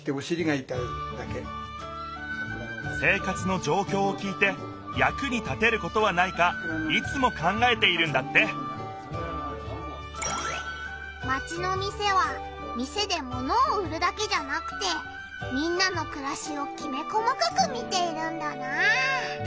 生活のじょうきょうを聞いてやくに立てることはないかいつも考えているんだってマチの店は店で物を売るだけじゃなくてみんなのくらしをきめ細かく見ているんだなあ。